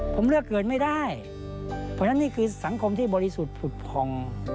ผมเลือกเกิดไม่ได้เพราะฉะนั้นนี่คือสังคมที่บริสุทธิ์ผุดผ่อง